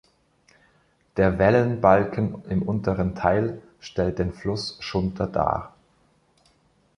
Der Wellenbalken im unteren Teil stellt den Fluss Schunter dar.